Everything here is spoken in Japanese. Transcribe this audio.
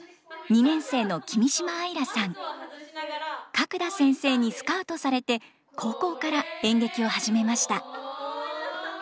角田先生にスカウトされて高校から演劇を始めました。